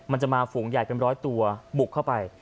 มันจะมาฝูงใหญ่เป็นร้อยตัวบุกเข้าไป